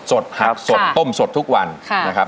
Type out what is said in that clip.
ผักสดต้มสดทุกวันนะครับ